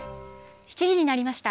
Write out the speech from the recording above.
７時になりました。